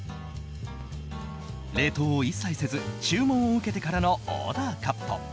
冷凍を一切せず、注文を受けてからのオーダーカット。